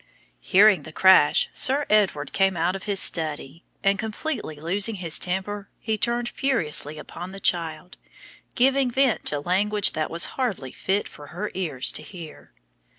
Hearing the crash, Sir Edward came out of his study, and completely losing his temper, he turned furiously upon the child, giving vent to language that was hardly fit for her ears to hear.